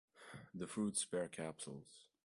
The fruits are bare capsules.